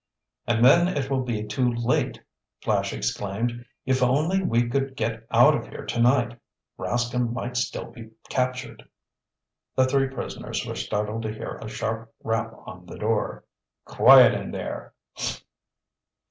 "And then it will be too late!" Flash exclaimed. "If only we could get out of here tonight! Rascomb might still be captured." The three prisoners were startled to hear a sharp rap on the door. "Quiet in there!"